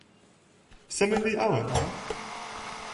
seme li awen a?